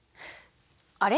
あれ？